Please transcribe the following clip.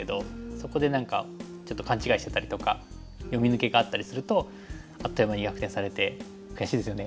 そこで何かちょっと勘違いしてたりとか読み抜けがあったりするとあっという間に逆転されて悔しいですよね。